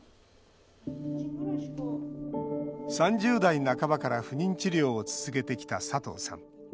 ３０代半ばから不妊治療を続けてきた佐藤さん。